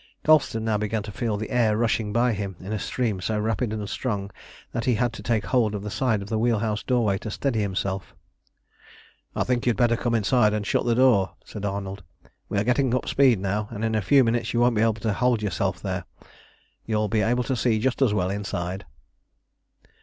Colston now began to feel the air rushing by him in a stream so rapid and strong, that he had to take hold of the side of the wheel house doorway to steady himself. "I think you had better come inside and shut the door," said Arnold. "We are getting up speed now, and in a few minutes you won't be able to hold yourself there. You'll be able to see just as well inside."